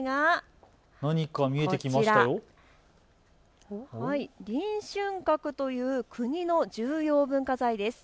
こちら、臨春閣という国の重要文化財です。